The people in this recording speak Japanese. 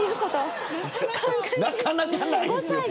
なかなかないですよね。